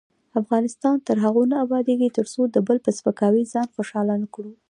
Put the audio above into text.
افغانستان تر هغو نه ابادیږي، ترڅو د بل په سپکاوي ځان خوشحاله نکړو.